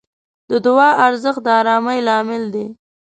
د دعا ارزښت د آرامۍ لامل دی.